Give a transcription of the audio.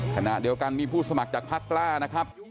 ขณะเดียวกันมีผู้สมัครจากพักกล้านะครับ